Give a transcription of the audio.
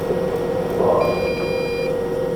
Ɣar!